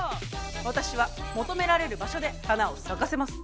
私は求められる場所で花を咲かせます。